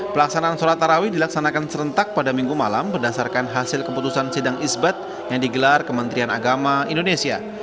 pelaksanaan sholat tarawih dilaksanakan serentak pada minggu malam berdasarkan hasil keputusan sidang isbat yang digelar kementerian agama indonesia